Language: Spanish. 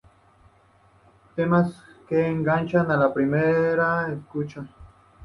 Temas que enganchan a la primera escucha.